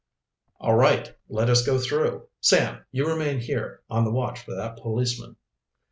"All right; let us go through. Sam, you remain here, on the watch for that policeman."